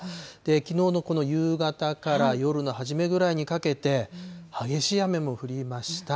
きのうのこの夕方から夜の初めぐらいにかけて、激しい雨も降りました。